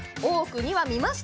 ２話見ました。